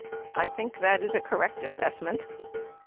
I think that is a correct assessment.